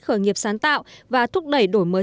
khởi nghiệp sáng tạo và thúc đẩy đổi mới